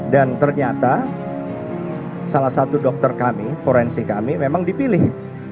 dan ternyata salah satu dokter kami forensik kami memang dipilih